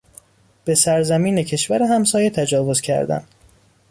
به سرزمین کشور همسایه تجاوز کردن